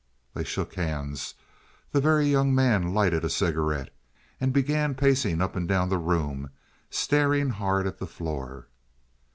They shook hands. The Very Young Man lighted a cigarette, and began pacing up and down the room, staring hard at the floor.